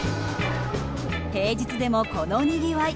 平日でもこのにぎわい。